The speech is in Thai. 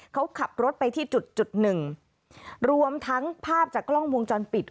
เขาขับรถไปที่จุดจุดหนึ่งรวมทั้งภาพจากกล้องวงจรปิด